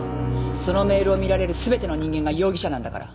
そのメールを見られる全ての人間が容疑者なんだから。